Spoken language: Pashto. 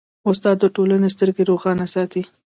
استاد د ټولنې سترګې روښانه ساتي.